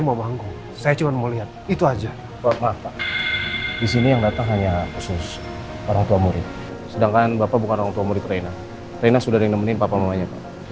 untuk murid dan orang tua nya